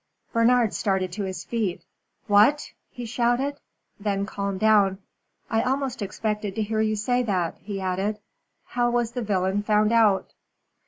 Bernard started to his feet. "What!" he shouted, then calmed down. "I almost expected to hear you say that," he added. "How was the villain found out?"